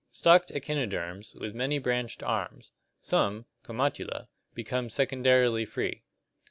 Stalked echinoderms, with many branched arms. Some (Comatula) become secondarily free.